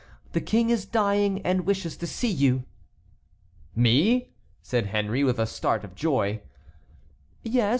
The King is dying and wishes to see you." "Me!" said Henry, with a start of joy. "Yes.